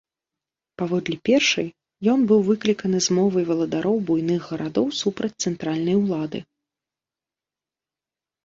Паводле першай, ён быў выкліканы змовай валадароў буйных гарадоў супраць цэнтральнай улады.